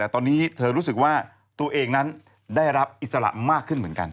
ตอนนี้เธอรู้สึกว่าตัวเองนั้นได้รับอิสระมากขึ้นเหมือนกัน